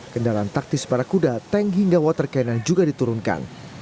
kendaraan taktis para kuda tank hingga water cannon juga diturunkan